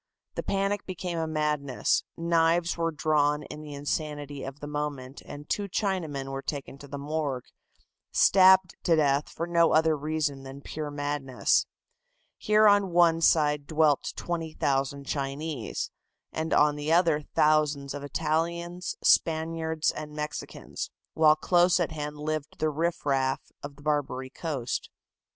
The panic became a madness, knives were drawn in the insanity of the moment, and two Chinamen were taken to the morgue, stabbed to death for no other reason than pure madness. Here on one side dwelt 20,000 Chinese, and on the other thousands of Italians, Spaniards and Mexicans, while close at hand lived the riff raff of the "Barbary Coast."